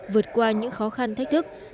vượt qua những khó khăn thách thức